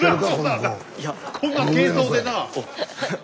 こんな軽装でな。